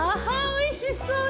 おいしそう！